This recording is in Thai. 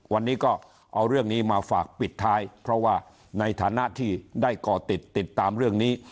วันนี้ก็เอาเรื่องนี้มาฝากปิดท้ายเพราะว่าในฐานะที่ได้ก่อติดติดตามเรื่องนี้